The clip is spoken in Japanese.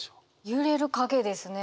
「揺れる影」ですね。